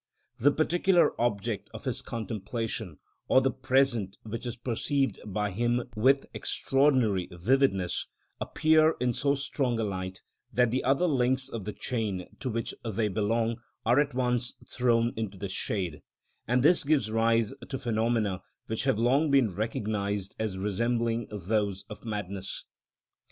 The particular object of his contemplation, or the present which is perceived by him with extraordinary vividness, appear in so strong a light that the other links of the chain to which they belong are at once thrown into the shade, and this gives rise to phenomena which have long been recognised as resembling those of madness.